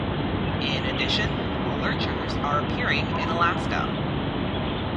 In addition, lurchers are appearing in Alaska.